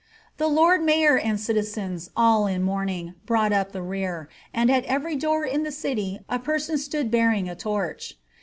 The lord mayor and citizens, all in mourning, brought up the rear, and at every door in the city a person stood baring a torch.